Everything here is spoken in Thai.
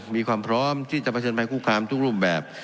มีความพร้อมที่จะเผชิญภัยคุกคามทุกรูปแบบ